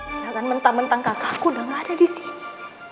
jangan mentah mentah kakak aku udah gak ada disini